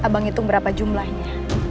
abang hitung berapa jumlahnya